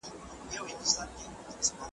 زه به د ژبي تمرين کړی وي؟!